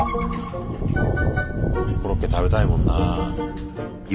コロッケ食べたいもんなぁ。